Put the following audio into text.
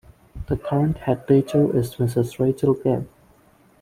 The current Head Teacher is Mrs Rachel Gibb.